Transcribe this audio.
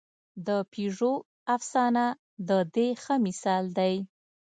د پېژو افسانه د دې ښه مثال دی.